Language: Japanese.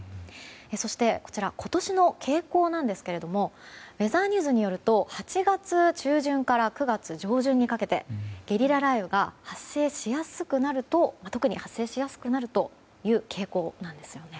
そして今年の傾向なんですがウェザーニューズによると８月中旬から９月上旬にかけてゲリラ雷雨が特に発生しやすくなるという傾向なんですね。